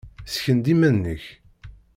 Ssken-d iman-nnek.